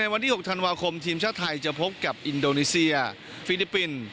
วันที่๖ธันวาคมทีมชาติไทยจะพบกับอินโดนีเซียฟิลิปปินส์